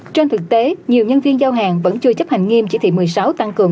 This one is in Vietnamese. trên thực tế nhiều nhân viên giao hàng vẫn chưa chấp hành nghiêm chỉ thị một mươi sáu tăng cường